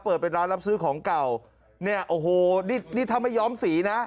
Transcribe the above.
เปิดเป็นร้านรับซื้อของเก่าเนี่ยโอ้โหนี่นี่ถ้าไม่ยอมสีนะ